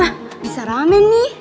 wah bisa ramen nih